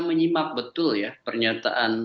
menyimak betul ya pernyataan